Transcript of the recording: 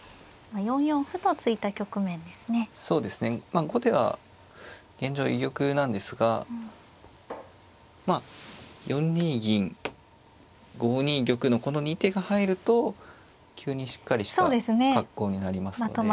まあ後手は現状居玉なんですがまあ４二銀５二玉のこの２手が入ると急にしっかりした格好になりますので。